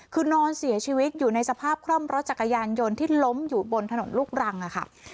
คือนอนเสียชีวิตอยู่ในสภาพคล่อมรถจักรยานยนต์ที่ล้มอยู่บนถนนลูกรังค่ะ